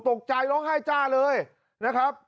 ตกใจร้องไห้จ้าเลยนะครับ